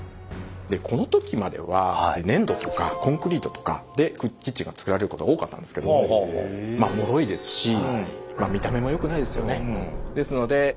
この時までは粘土とかコンクリートとかでキッチンが作られることが多かったんですけどまあもろいですし見た目もよくないですよね。